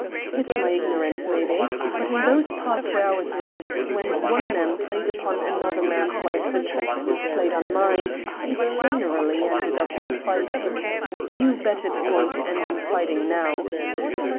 "It's my ignorance, may be. But in those parts where I was raised, when one man played upon another man's wife the tricks you've played on mine, it generally ended up in fighting. You bet it's going to end in fighting now."